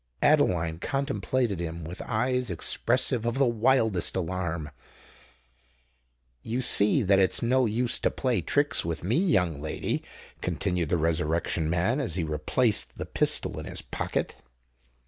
Adeline contemplated him with eyes expressive of the wildest alarm. "You see that it's no use to play tricks with me, young lady," continued the Resurrection Man, as he replaced the pistol in his pocket.